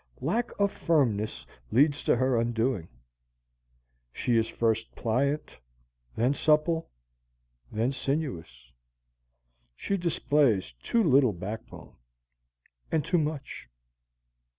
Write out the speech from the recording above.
Lack of firmness leads to her undoing: she is first pliant, then supple, then sinuous. She displays too little backbone, and too much.